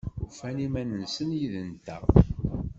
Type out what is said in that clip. Ufan iman-nsen yid-nteɣ?